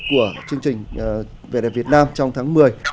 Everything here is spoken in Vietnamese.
của chương trình vẻ đẹp việt nam trong tháng một mươi